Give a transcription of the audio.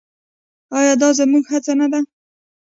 آیا دا زموږ هڅه نه ده؟